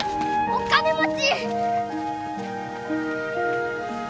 お金持ち！